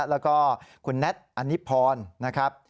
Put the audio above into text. แล้วก็คุณแน็ตอนิพรนะครับ